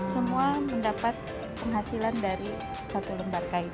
semua mendapat penghasilan dari satu lembar kain